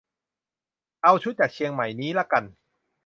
เอาชุดจากเชียงใหม่นี้ละกัน